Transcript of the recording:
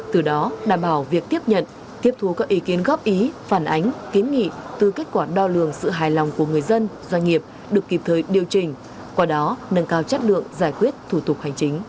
từ đó đảm bảo việc tiếp nhận tiếp thu các ý kiến góp ý phản ánh kiến nghị từ kết quả đo lường sự hài lòng của người dân doanh nghiệp được kịp thời điều chỉnh qua đó nâng cao chất lượng giải quyết thủ tục hành chính